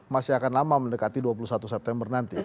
masih akan lama mendekati dua puluh satu september nanti